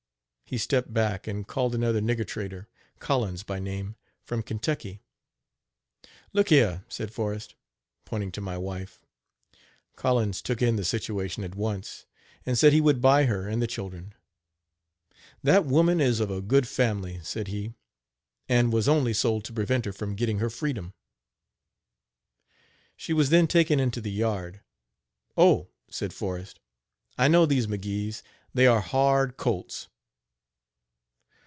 " He stepped back and called another "nigger trader," Collins by name, from Kentucky. "Look here," said Forrest, pointing to my wife. Collins took in the situation at once and said he would buy her and the children. "That woman is of a good family," said he, "and was only sold to prevent her from getting her freedom." She was then taken into the yard. "Oh!" said Forrest, "I know these McGees, they are hard colts.